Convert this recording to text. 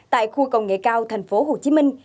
tại khu công nghệ cao tp hcm